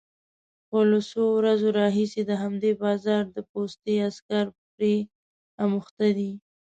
خو له څو ورځو راهيسې د همدې بازار د پوستې عسکر پرې اموخته دي،